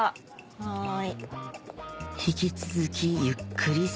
はい。